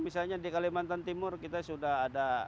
misalnya di kalimantan timur kita sudah ada